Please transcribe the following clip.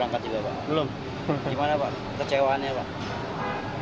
gimana pak kecewaannya pak